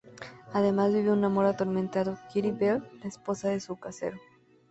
Además vive un amor atormentado Kitty Bell, la esposa de su casero.